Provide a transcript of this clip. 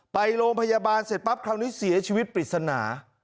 ไปโรงพยาบาลเสร็จปั๊บคราวนี้เสียชีวิตปริศนา